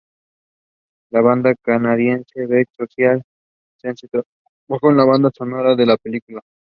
La banda canadiense Broken Social Scene trabajó en la banda sonora para la película.